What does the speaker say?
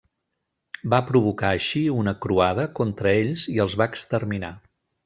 Va provocar així una croada contra ells i els va exterminar.